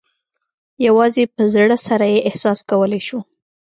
یوازې په زړه سره یې احساس کولای شو.